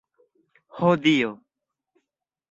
Ho Dio!